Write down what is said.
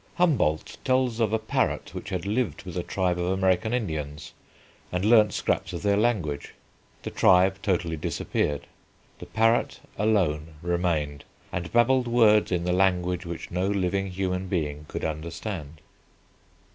Humboldt tells of a parrot which had lived with a tribe of American Indians, and learnt scraps of their language; the tribe totally disappeared; the parrot alone remained, and babbled words in the language which no living human being could understand.